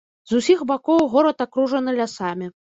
З усіх бакоў горад акружаны лясамі.